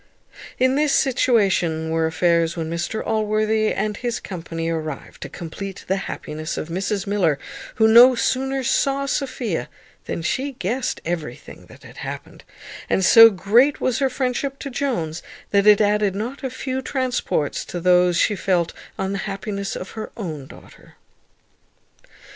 In this situation were affairs when Mr Allworthy and his company arrived to complete the happiness of Mrs Miller, who no sooner saw Sophia than she guessed everything that had happened; and so great was her friendship to Jones, that it added not a few transports to those she felt on the happiness of her own daughter.